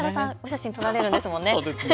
写真撮られるんですもんね。